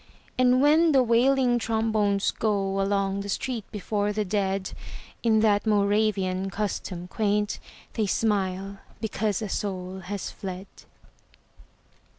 And when the wailing trombones go Along the street before the dead In that Moravian custom quaint, They smile because a soul has fled.